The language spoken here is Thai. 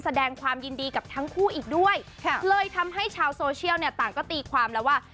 แสดงความยินดีกับทั้งคู่อีกด้วยเลยทำให้ชาวโซเชียลเนี่ยต่างก็ตีความแล้วว่า